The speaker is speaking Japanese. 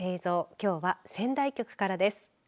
きょうは仙台局からです。